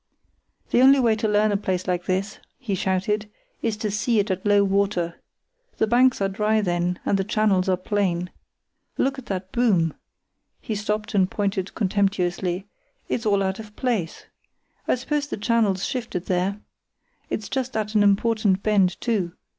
"The only way to learn a place like this," he shouted, "is to see it at low water. The banks are dry then, and the channels are plain. Look at that boom"—he stopped and pointed contemptuously—"it's all out of place. I suppose the channel's shifted there. It's just at an important bend too.